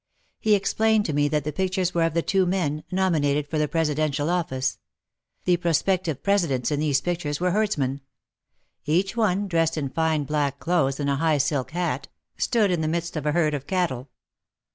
He explained to me that the pictures were of the two men, nominated for the presidential office. The prospective presidents in these pictures were herdsmen. Each one, dressed in fine black clothes and a high silk hat, stood in the midst of a herd of cattle.